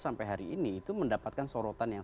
sampai hari ini itu mendapatkan sorotan yang